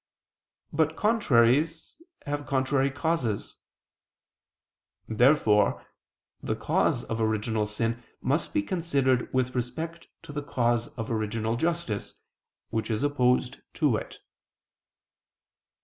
But contraries have contrary causes. Therefore the cause of original sin must be considered with respect to the cause of original justice, which is opposed to it.